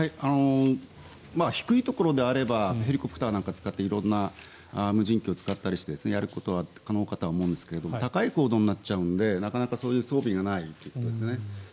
低いところであればヘリコプターなんかを使って色んな無人機を使ったりしてやることは可能かと思うんですが高い高度になっちゃうのでなかなか、そういう装備がないということですね。